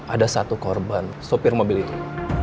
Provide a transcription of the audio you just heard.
ada satu korban sopir mobil itu